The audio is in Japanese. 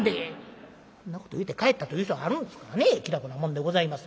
こんなこと言うて帰ったという人あるんですから気楽なもんでございます。